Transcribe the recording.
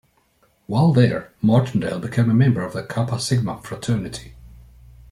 While there, Martindale became a member of the Kappa Sigma Fraternity.